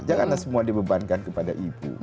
janganlah semua dibebankan kepada ibu